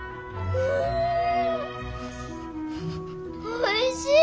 おいしい！